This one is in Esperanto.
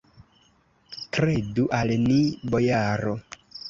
Kredu al ni, bojaro!